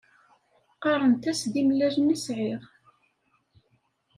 Qqarent-as d imelyan i sɛiɣ.